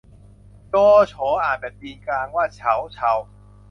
โจโฉ อ่านแบบจีนกลางว่าเฉาเชา